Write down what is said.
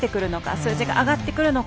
数字が上がってくるのか。